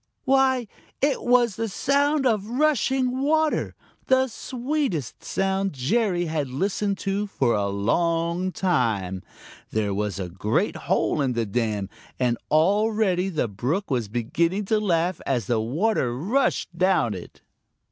Why, it was the sound of rushing water, the sweetest sound Jerry had listened to for a long time. There was a great hole in the dam, and already the brook was beginning to laugh as the water rushed down it.